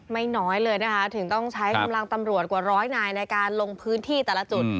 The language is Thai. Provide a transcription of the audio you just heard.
น้อยเลยนะคะถึงต้องใช้กำลังตำรวจกว่าร้อยนายในการลงพื้นที่แต่ละจุด